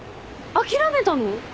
諦めたの？